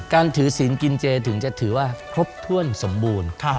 การถือศีลกินเจถึงจะถือว่าครบถ้วนสมบูรณ์